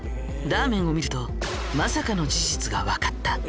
ラーメンを見るとまさかの事実がわかった。